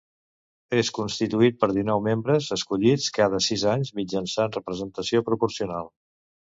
És constituït per dinou membres, escollits cada sis anys mitjançant representació proporcional.